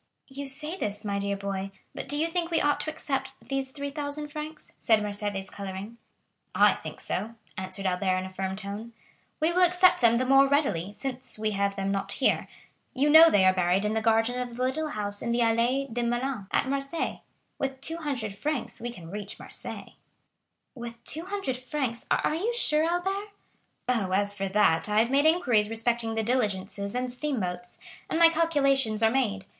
"You say this, my dear boy; but do you think we ought to accept these 3,000 francs?" said Mercédès, coloring. "I think so," answered Albert in a firm tone. "We will accept them the more readily, since we have them not here; you know they are buried in the garden of the little house in the Allées de Meilhan, at Marseilles. With 200 francs we can reach Marseilles." "With 200 francs?—are you sure, Albert?" "Oh, as for that, I have made inquiries respecting the diligences and steamboats, and my calculations are made.